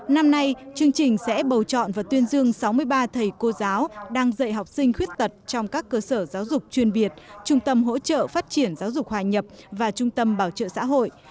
năm nay chương trình sẽ bầu chọn và tuyên dương sáu mươi ba thầy cô giáo đang dạy học sinh khuyết tật trong các cơ sở giáo dục chuyên biệt trung tâm hỗ trợ phát triển giáo dục hòa nhập và trung tâm bảo trợ xã hội